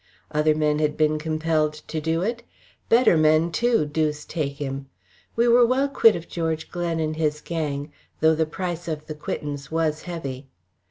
Other men had been compelled to do it better men too, deuce take him! We were well quit of George Glen and his gang, though the price of the quittance was heavy.